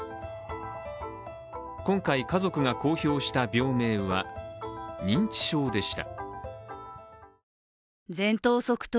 今回、家族が公表した病名は認知症でした。